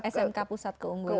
smk pusat keunggulan